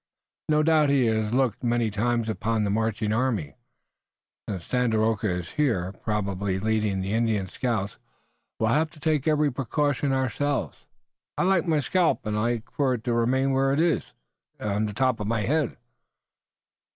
No doubt he has looked many times upon the marching army." "Since Tandakora is here, probably leading the Indian scouts, we'll have to take every precaution ourselves. I like my scalp, and I like for it to remain where it has grown, on the top of my head."